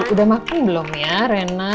udah makan belum ya reina